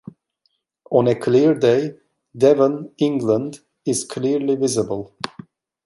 On a clear day, Devon, England, is clearly visible.